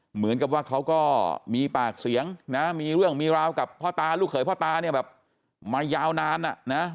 เหมือนกับว่าเขาก็มีปากเสียงนะมีเรื่องมีราวกับพ่อตาลูกเขยพ่อตาเนี่ยแบบมายาวนานอ่ะนะ